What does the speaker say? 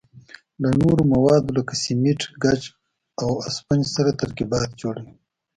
له نورو موادو لکه سمنټ، ګچ او اسفنج سره ترکیبات جوړوي.